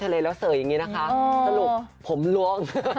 เลแล้วเสยอย่างนี้นะคะสรุปผมล้วง